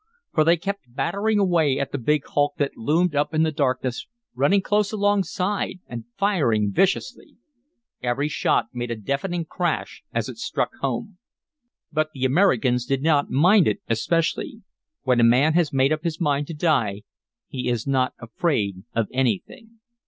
For they kept battering away at the big hulk that loomed up in the darkness, running close alongside and firing viciously. Every shot made a deafening crash as it struck home. But the Americans did not mind it especially. When a man has made up his mind to die he is not afraid of anything.